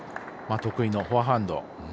得意のフォアハンド。